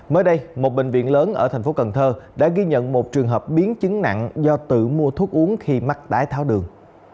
mới đây một bệnh viện lớn ở thành phố cần thơ đã ghi nhận một trường hợp biến chứng nặng do tự mua thuốc uống khi mắc đái tháo đường